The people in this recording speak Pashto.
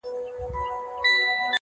جګړه نښتې په سپین سبا ده-